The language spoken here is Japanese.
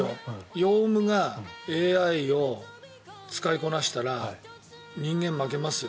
ヨウムがＡＩを使いこなしたら人間、負けますよ。